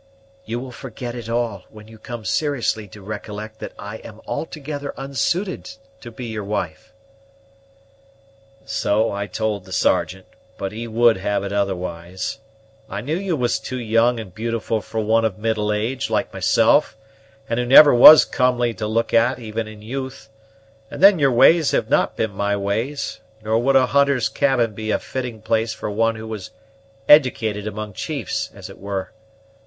"You will forget it all, when you come seriously to recollect that I am altogether unsuited to be your wife." "So I told the Sergeant; but he would have it otherwise. I knew you was too young and beautiful for one of middle age, like myself, and who never was comely to look at even in youth; and then your ways have not been my ways; nor would a hunter's cabin be a fitting place for one who was edicated among chiefs, as it were.